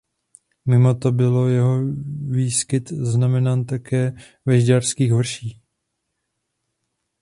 Mimo to byl jeho výskyt zaznamenán také ve Žďárských vrších.